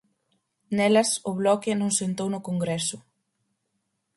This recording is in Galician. Nelas, o Bloque non sentou no Congreso.